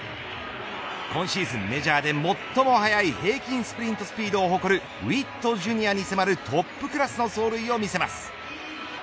今シーズン、メジャーで最も早い平均スプリントスピードを誇るウィットＪｒ．に迫るトップクラスの走塁を見せます。